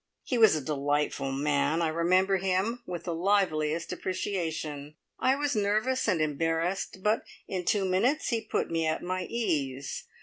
He was a delightful man! I remember him with the liveliest appreciation. I was nervous and embarrassed, but in two minutes he put me at my ease.